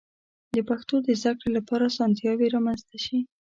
د پښتو د زده کړې لپاره آسانتیاوې رامنځته شي.